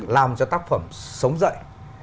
làm cho tác phẩm sống dậy